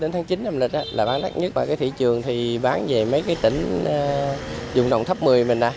đến tháng chín âm lịch là bán đắt nhất vào cái thị trường thì bán về mấy cái tỉnh dùng đồng tháp một mươi mình ra